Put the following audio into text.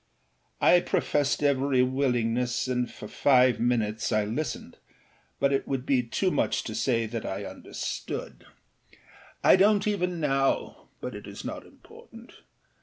I professed every willingness, and for five minutes I listened, but it would be too much to say that I understood. I donât even now, but it is not important.